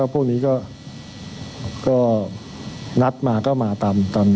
พวกนี้ก็นัดมาก็มาตาม